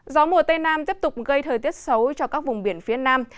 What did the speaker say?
gió mùa tây nam tiếp tục gây thời tiết xấu cho các vùng biển phía nam